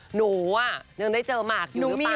หนูยังได้เจอหมากอยู่หรือเปล่า